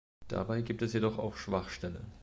Dabei gibt es jedoch auch Schwachstellen.